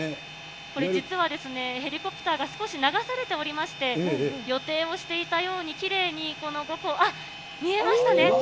これ実は、ヘリコプターが少し流されておりまして、予定をしていたように、きれいにこの五湖、あっ、見えましたね。